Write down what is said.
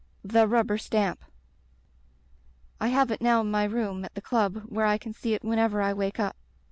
'The Rubber Stamp.* I have it now in my room at the club where I can see it whenever I wake up.